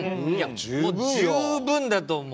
うん十分だと思う。